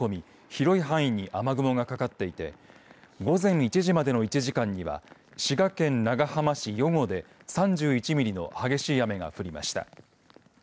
広い範囲に雨雲がかかっていて午前１時までの１時間には滋賀県長浜市余呉で３１ミリの激しい雨が降りました。